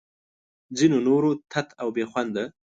ځینو نورو تت او بې خونده